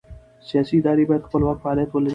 سیاسي ادارې باید خپلواک فعالیت ولري